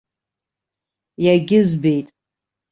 Иагьызбеит.